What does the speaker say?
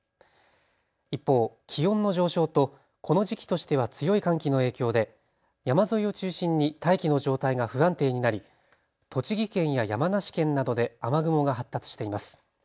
一方、気温の上昇とこの時期としては強い寒気の影響で山沿いを中心に大気の状態が不安定になり栃木県や山梨県などで雨雲が発達しています。